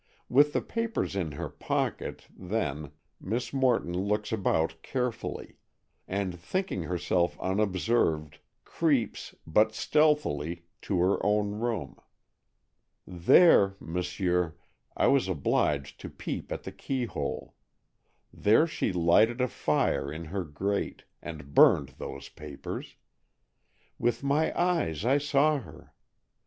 With the papers in her pocket, then, Miss Morton looks about carefully, and, thinking herself unobserved, creeps, but stealthily, to her own room. There—m'sieur, I was obliged to peep at the key hole—there she lighted a fire in her grate, and burned those papers. With my eyes I saw her.